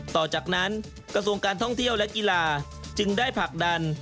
ต่อจากนั้นกระทรวงการท่องเที่ยวและกีฬาจึงได้ผลักดัน